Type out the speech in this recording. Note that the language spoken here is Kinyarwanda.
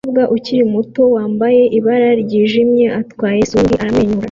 Umukobwa ukiri muto wambaye ibara ryijimye atwara swing aramwenyura